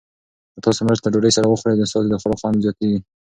که تاسي مرچ له ډوډۍ سره وخورئ نو ستاسو د خوراک خوند زیاتیږي.